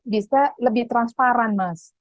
bisa lebih transparan mas